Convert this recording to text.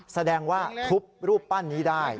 แสดงว่าทุบรูปปั้นนี้ได้